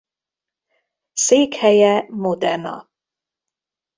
Székhelye Modena.